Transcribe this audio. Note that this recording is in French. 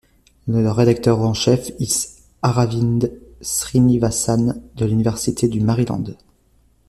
Le rédacteur en chef is Aravind Srinivasan, de l’université du Maryland.